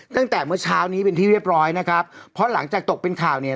ตั้งแต่เมื่อเช้านี้เป็นที่เรียบร้อยนะครับเพราะหลังจากตกเป็นข่าวเนี่ย